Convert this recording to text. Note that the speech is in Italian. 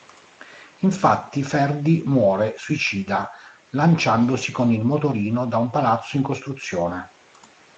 Infatti Ferdi muore suicida lanciandosi con il motorino da un palazzo in costruzione.